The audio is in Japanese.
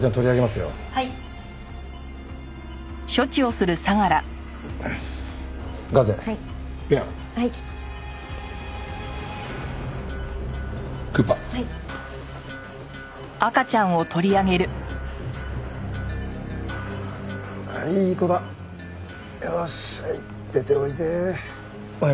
よしはい出ておいで。